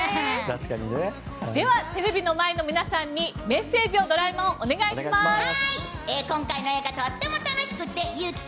では、テレビの前の皆さんにメッセージをお願いします。